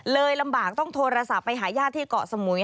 ลำบากต้องโทรศัพท์ไปหาญาติที่เกาะสมุย